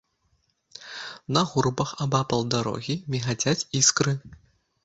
На гурбах абапал дарогі мігацяць іскры.